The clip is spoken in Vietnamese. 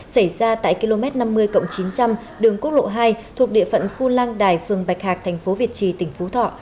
xảy ra tại km năm mươi chín trăm linh đường quốc lộ hai thuộc địa phận khu lang đài phường bạch hạc thành phố việt trì tỉnh phú thọ